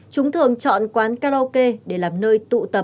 chúng thường chọn quán karaoke để làm nơi